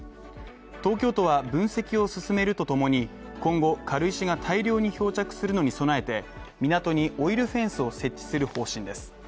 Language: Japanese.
東京都は、分析を進めるとともに、今後、軽石が大量に漂着するのに備えて、港にオイルフェンスを設置する方針です。